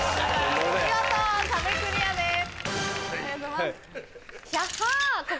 見事壁クリアです。